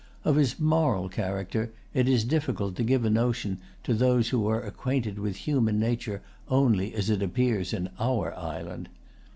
Of his moral character it is difficult to[Pg 130] give a notion to those who are acquainted with human nature only as it appears in our island.